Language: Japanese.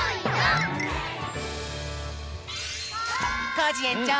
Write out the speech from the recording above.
コージえんちょう！